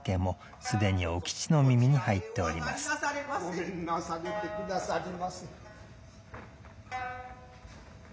御免なされて下さりませ。